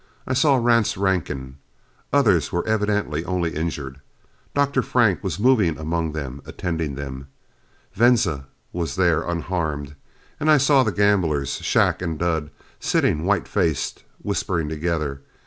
I saw Rance Rankin. Others were evidently only injured. Dr. Frank was moving among them, attending them. Venza was there, unharmed. And I saw the gamblers, Shac and Dud, sitting white faced, whispering together.